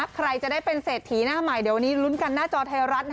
ใครจะได้เป็นเศรษฐีหน้าใหม่เดี๋ยววันนี้ลุ้นกันหน้าจอไทยรัฐ